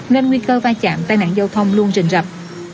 nên nguy cơ va chạm tai nạn giao thông luôn rình rập